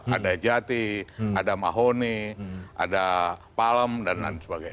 ada jati ada mahoni ada palem dan lain sebagainya